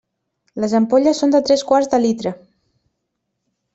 Les ampolles són de tres quarts de litre.